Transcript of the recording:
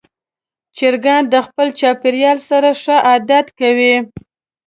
چرګان د خپل چاپېریال سره ښه عادت کوي.